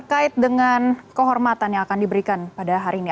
bagaimana menurut anda apa yang akan diberikan pada hari ini